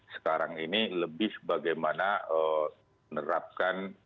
sekarang ini lebih bagaimana menerapkan